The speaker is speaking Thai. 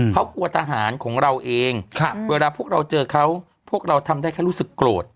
เขากลัวทหารของเราเองเวลาพวกเราเจอเขาพวกเราทำได้แค่รู้สึกโกรธ